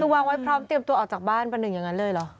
คือวางไว้พร้อมเตรียมตัวออกจากบ้านเป็นหนึ่งอย่างนั้นเลยเหรอ